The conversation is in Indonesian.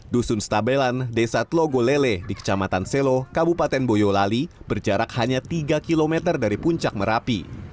dusun stabelan desa tlogo lele di kecamatan selo kabupaten boyolali berjarak hanya tiga km dari puncak merapi